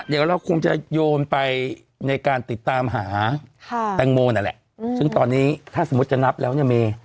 เดี๋ยวเราคงจะโยนไปในการติดตามหาแตงโมนั่นแหละซึ่งตอนนี้ถ้าสมมุติจะนับแล้วเนี่ยเม